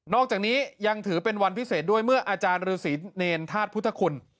อกจากนี้ยังถือเป็นวันพิเศษด้วยเมื่ออาจารย์ฤษีเนรธาตุพุทธคุณ